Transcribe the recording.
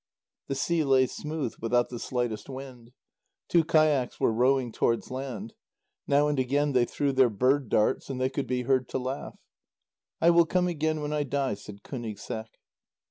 The sea lay smooth, without the slightest wind. Two kayaks were rowing towards land. Now and again they threw their bird darts, and they could be heard to laugh. "I will come again when I die," said Kúnigseq.